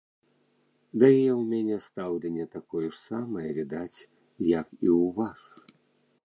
Да яе ў мяне стаўленне такое ж самае, відаць, як і ў вас.